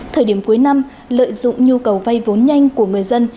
thời điểm cuối năm lợi dụng nhu cầu vay vốn nhanh của người dân